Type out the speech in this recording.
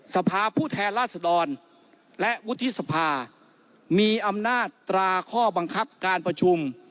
สภาพผู้แทนราชดรและวุฒิสภามีอำนาจตราข้อบังคับการประชุม